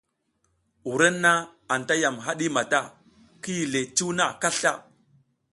Wurenna anta yam haɗi mata, ki yi le cuw na kasla.